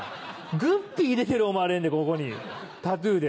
グッピー入れてる思われんでここにタトゥーで。